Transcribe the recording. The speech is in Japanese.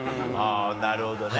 なるほどね。